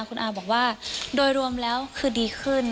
คุณอาบอกว่าโดยรวมแล้วคือดีขึ้น